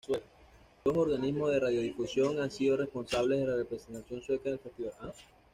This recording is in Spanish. Dos organismos de radiodifusión han sido responsables de la representación sueca en el festival.